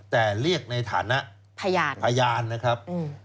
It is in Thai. แต่เรียกในฐานะพยานพยานนะครับ